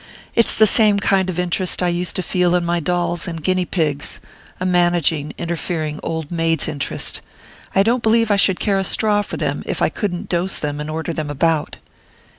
"It's the same kind of interest I used to feel in my dolls and guinea pigs a managing, interfering old maid's interest. I don't believe I should care a straw for them if I couldn't dose them and order them about."